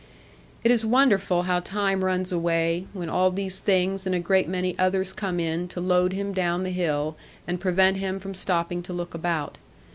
It is wonderful how time runs away, when all these things and a great many others come in to load him down the hill and prevent him from stopping to look about.